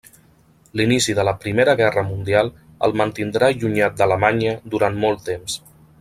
L'inici de la Primera Guerra Mundial el mantindrà allunyat d'Alemanya durant molt temps.